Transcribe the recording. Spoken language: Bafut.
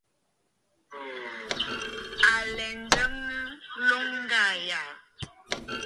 À lɛ njəŋnə nloŋ ŋgaa yàà.